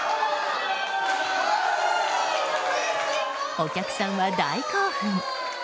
お客さんは大興奮！